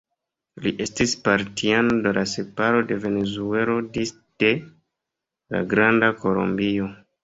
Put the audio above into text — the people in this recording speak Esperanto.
Li estis partiano de la separo de Venezuelo disde la Granda Kolombio.